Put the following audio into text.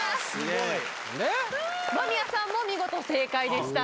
間宮さんも見事正解でした。